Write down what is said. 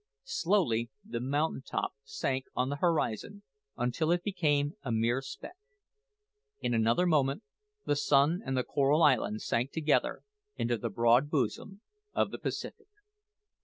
Slowly the mountain top sank on the horizon until it became a mere speck. In another moment the sun and the Coral Island sank together into the broad bosom of the Pacific.